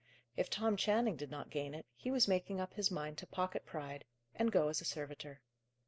If Tom Channing did not gain it, he was making up his mind to pocket pride, and go as a servitor.